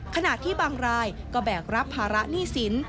ขณะที่บางรายก็แบกรับภาระหนี้สิน